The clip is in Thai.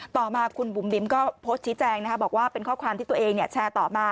ต่อมาคุณบุ๋มบิ๊มก็โพสต์ชี้แจงบอกว่าเป็นข้อความที่ตัวเองแชร์ต่อมา